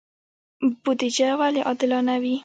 بودجه ولې عادلانه وي؟